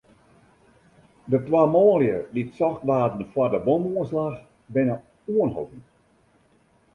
De twa manlju dy't socht waarden foar de bomoanslach, binne oanholden.